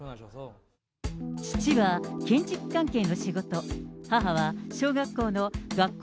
父は建築関係の仕事、母は小学校の学校